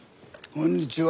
こんにちは。